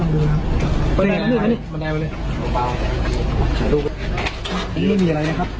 หนึ่งครึ่งเลยครับไม่ต้องไหวเลยก็ลองลองครับ